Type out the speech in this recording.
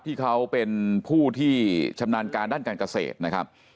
ที่เขาเป็นผู้ที่ชำนาญการด้านการเกษตรนะครับ